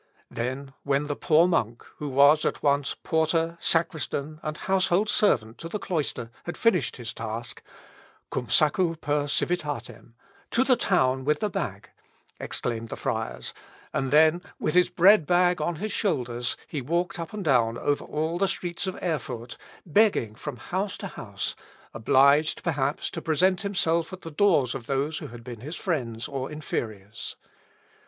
Then when the poor monk, who was at once porter, sacristan, and house hold servant to the cloister, had finished his task "Cum sacco per civitatem" "To the town with the bag," exclaimed the friars; and then, with his bread bag on his shoulders, he walked up and down over all the streets of Erfurt, begging from house to house, obliged, perhaps, to present himself at the doors of those who had been his friends or inferiors.